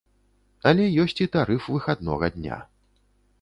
Але ёсць і тарыф выхаднога дня.